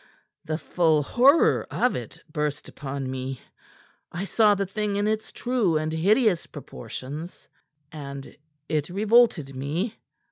The full horror of it burst upon me. I saw the thing in its true and hideous proportions, and it revolted me."